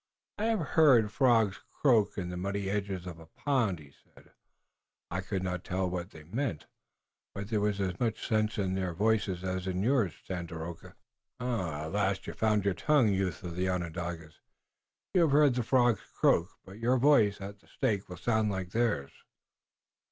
"I have heard frogs croak in the muddy edge of a pond," he said. "I could not tell what they meant, but there was as much sense in their voices as in yours, Tandakora." "At last you have found your tongue, youth of the Onondagas. You have heard the frogs croak, but your voice at the stake will sound like theirs."